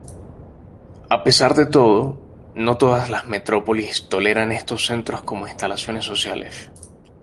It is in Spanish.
A pesar de todo, no todas las metrópolis toleran estos centros como instalaciones sociales.